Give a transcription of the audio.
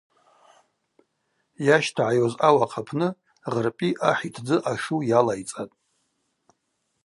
Йащтагӏайуаз ауахъ апны Гъырпӏи ахӏ йтдзы ашу йалайцӏатӏ.